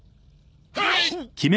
はい！